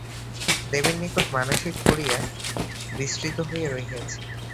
দেবীর নিকট মানসিক করিয়া বিস্মৃত হইয়া রহিয়াছি।